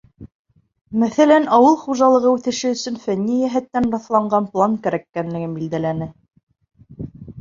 Мәҫәлән, ауыл хужалығы үҫеше өсөн фәнни йәһәттән раҫланған план кәрәклеген билдәләне.